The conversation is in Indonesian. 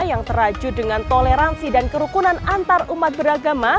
yang terajut dengan toleransi dan kerukunan antar umat beragama